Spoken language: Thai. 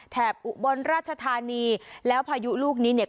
อุบลราชธานีแล้วพายุลูกนี้เนี่ย